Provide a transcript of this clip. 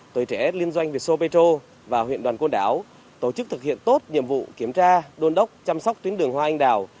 tuổi trẻ liên doanh việt sô petro và huyện đoàn côn đảo tổ chức thực hiện tốt nhiệm vụ kiểm tra đôn đốc chăm sóc tuyến đường hoa anh đào